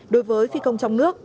đối với phi công trong nước